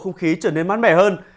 khung khí trở nên mát mẻ hơn